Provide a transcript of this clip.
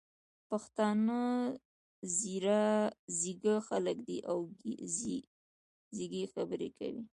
پښتانه ځيږه خلګ دي او ځیږې خبري کوي.